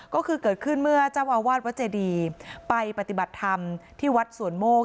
ก็คือเกิดขึ้นเมื่อเจ้าอาวาสวัดเจดีไปปฏิบัติธรรมที่วัดสวนโมก